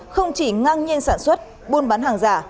không chỉ ngang nhiên sản xuất buôn bán hàng giả